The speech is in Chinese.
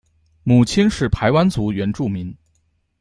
母亲是排湾族原住民。